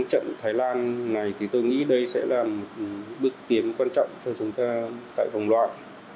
trận thái lan này thì tôi nghĩ đây sẽ là một bước tiến quan trọng cho chúng ta tại vòng loại